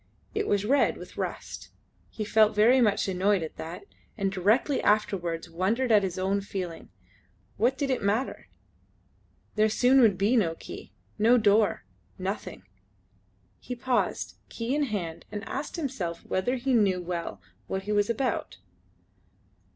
It was red with rust. He felt very much annoyed at that, and directly afterwards wondered at his own feeling. What did it matter? There soon would be no key no door nothing! He paused, key in hand, and asked himself whether he knew well what he was about.